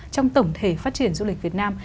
trong tổng thể phát triển du lịch việt nam